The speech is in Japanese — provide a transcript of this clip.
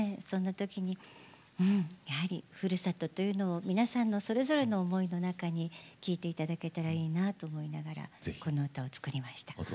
そんなときにうんやはりふるさとというのを皆さんのそれぞれの思いの中に聴いて頂けたらいいなと思いながらこの歌を作りました。